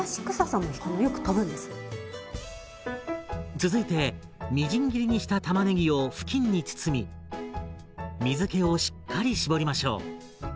続いてみじん切りにしたたまねぎを布巾に包み水けをしっかり絞りましょう。